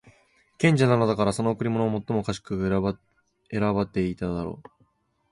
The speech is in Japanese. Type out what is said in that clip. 賢者なのだから、その贈り物も最も賢く選ばていただろう。